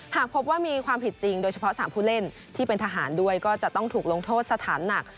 หากพบว่ามีความผิดจริงโดยเฉพาะ๓ผู้เล่นที่เป็นทหารด้วยก็จะต้องถูกลงโทษสถานหนัก